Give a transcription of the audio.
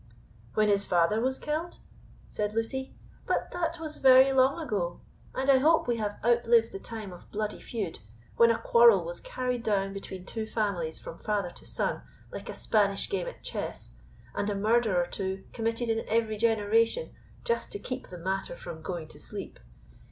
"When his father was killed?" said Lucy. "But that was very long ago; and I hope we have outlived the time of bloody feud, when a quarrel was carried down between two families from father to son, like a Spanish game at chess, and a murder or two committed in every generation, just to keep the matter from going to sleep.